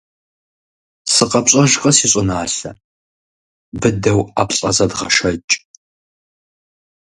СыкъэпщӀэжкъэ, си щӀыналъэ, быдэу ӀэплӀэ зэдгъэшэкӀ.